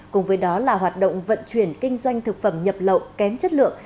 cùng với đó là hoạt động vận chuyển kinh doanh thực phẩm nhập lậu kém chất lượng